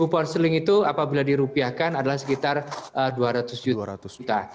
sepuluh pound sterling itu apabila dirupiahkan adalah sekitar dua ratus juta